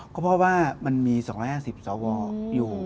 ก็เพราะว่ามันมี๒๕๐สวอยู่